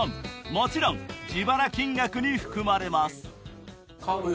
もちろん自腹金額に含まれます顔。